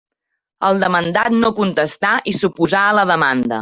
El demandat no contestà i s'oposà a la demanda.